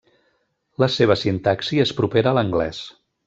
La seva sintaxi és propera a l'anglès.